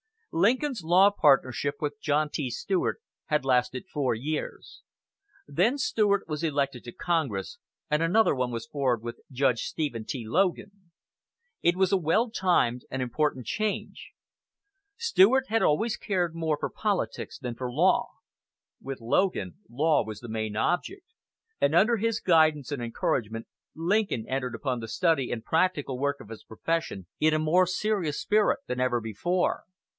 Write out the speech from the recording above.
Lincoln's law partnership with John T. Stuart had lasted four years. Then Stuart was elected to Congress, and another one was formed with Judge Stephen T. Logan. It was a well timed and important change. Stuart had always cared more for politics than for law. With Logan law was the main object, and under his guidance and encouragement Lincoln entered upon the study and practical work of his profession in a more serious spirit than ever before.